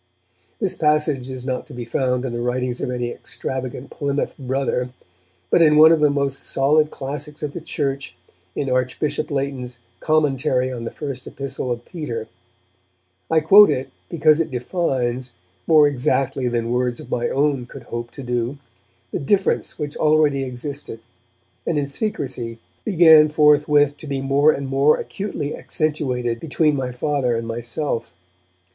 This passage is not to be found in the writings of any extravagant Plymouth Brother, but in one of the most solid classics of the Church, in Archbishop Leighton's Commentary on the First Epistle of Peter. I quote it because it defines, more exactly than words of my own could hope to do, the difference which already existed, and in secrecy began forthwith to be more and more acutely accentuated between my Father and myself.